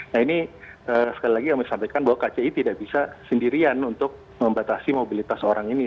nah ini sekali lagi kami sampaikan bahwa kci tidak bisa sendirian untuk membatasi mobilitas orang ini